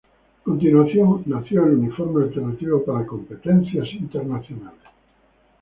A continuación, nació el uniforme alternativo para competencias internacionales.